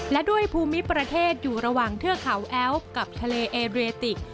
และด้วยภูมิประเทศอยู่ระหว่างเทือกเขาแอ้วกับทะเลเอเรติก